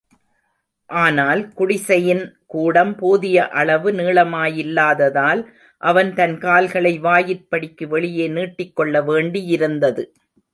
ஆனால், குடிசையின் கூடம் போதிய அளவு நீளமாயில்லாததால், அவன் தன் கால்களை வாயிற்படிக்கு வெளியே நீட்டிக்கொள்ள வேண்டியிருந்தது.